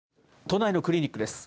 都内のクリニックです。